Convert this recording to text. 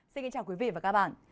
xin kính chào quý vị và các bạn